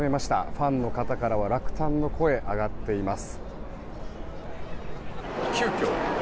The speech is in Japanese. ファンの方からは落胆の声が上がっています。